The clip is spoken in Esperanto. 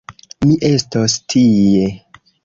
Mi estos tie.